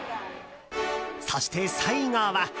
そして、最後は。